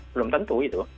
belum tentu itu